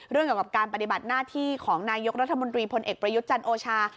เรื่องเกี่ยวกับการปฏิบัติหน้าที่ของนายกรัฐมนตรีพลเอกประยุทธ์จันทร์โอชา